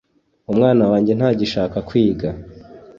umwana wanjye ntagishaka kwiga